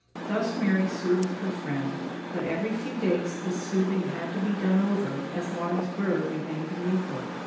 Thus Mary soothed her friend; but every few days this soothing had to be done over, as long as Burr remained in Newport.